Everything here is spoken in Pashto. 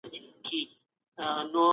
د استبدادي سياست پايلي تل ويجاړونکي وي.